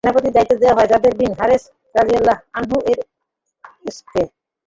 সেনাপতির দায়িত্ব দেয়া হয় যায়েদ বিন হারেসা রাযিয়াল্লাহু আনহু-এর স্কন্ধে।